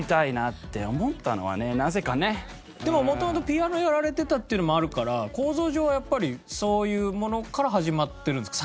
でも元々ピアノやられてたっていうのもあるから構造上はやっぱりそういうものから始まってるんですか？